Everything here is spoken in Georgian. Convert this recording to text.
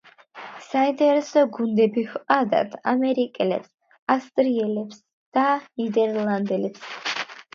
საინტერესო გუნდები ჰყავდათ ამერიკელებს, ავსტრიელებს და ნიდერლანდელებს.